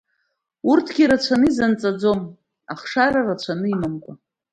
Урҭгьы рацәаны изанҵаӡом ахшара рацәаны имамкәа.